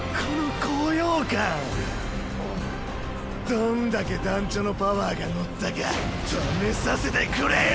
どんだけ団ちょのパワーが乗ったか試させてくれよ！